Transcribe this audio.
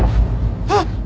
あっ！